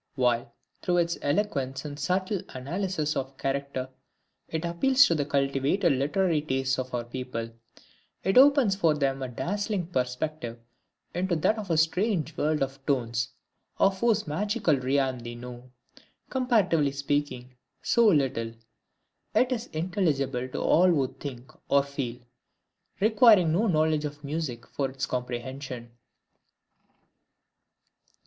While, through its eloquence and subtle analysis of character, it appeals to the cultivated literary tastes of our people, it opens for them a dazzling perspective into that strange world of tones, of whose magical realm they know, comparatively speaking, so little. It is intelligible to all who think or feel; requiring no knowledge of music for its comprehension.